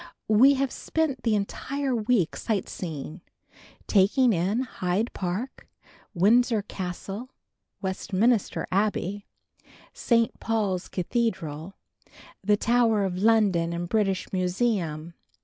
We have spent the entire week sightseeing, taking in Hyde Park, Windsor Castle, Westminster Abbey, St. Paul's Cathedral, the Tower of London and British Museum.